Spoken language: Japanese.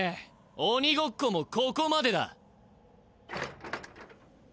おにごっこもここまでだ。